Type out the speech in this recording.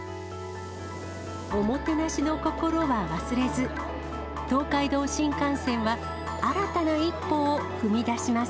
おもてなしの心は忘れず、東海道新幹線は新たな一歩を踏み出します。